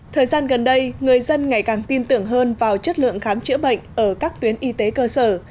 thời gian gần đây người dân ngày càng tin tưởng hơn vào chất lượng khám chữa bệnh ở các tuyến y tế cơ sở